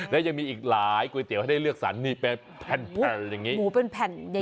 และยังมีอีกหลายก๋วยเตี๋ยวให้ได้เลือกสรรนี่เป็นแผ่นอย่างนี้เป็นแผ่นใหญ่